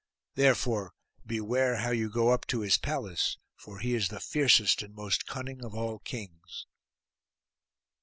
Therefore beware how you go up to his palace, for he is the fiercest and most cunning of all kings.